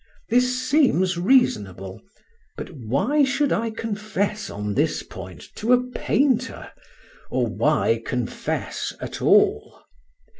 This seems reasonable; but why should I confess on this point to a painter? or why confess at all?